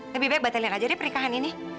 lebih baik batalin aja deh pernikahan ini